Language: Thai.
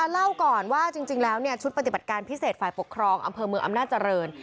เล่าก่อนว่าจริงแล้วชุดปฏิบัติการพิเศษฝ่ายปกครองอำเภอเมืองอำนาจริง